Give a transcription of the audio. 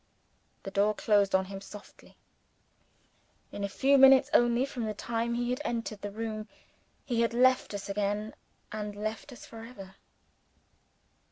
The door closed on him softly. In a few minutes only from the time when he had entered the room, he had left us again and left us for ever.